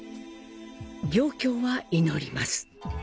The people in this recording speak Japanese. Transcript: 行教は祈ります。